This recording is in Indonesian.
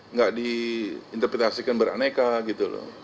nggak di interpretasikan beraneka gitu loh